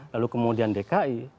lalu kemudian dki